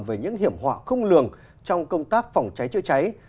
về những hiểm họa không lường trong công tác phòng cháy chữa cháy